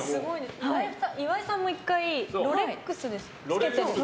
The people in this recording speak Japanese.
岩井さんも１回ロレックスつけてる人で。